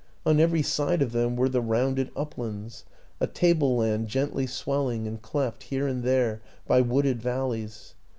On every side of them were the rounded uplands a table land gently swelling and cleft here and there by wooded val leys.